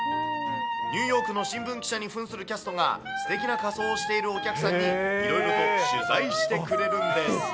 ニューヨークの新聞記者にふんするキャストが、すてきな仮装をしているお客さんにいろいろと取材してくれるんです。